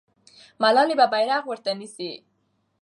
ملالۍ به بیرغ ورته نیسي.